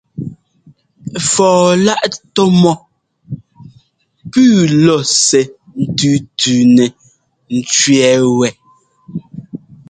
Fɔɔ-láꞌ tɔ́ mɔ́ pʉ́ʉ lɔ̌ɔsɛ́ ńtʉ́tʉ́nɛ ńtẅɛ́ɛ wɛ́.